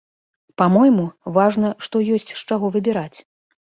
Па-мойму, важна, што ёсць з чаго выбіраць.